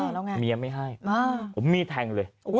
แล้วไงเมียไม่ให้ผมมีดแทงเลย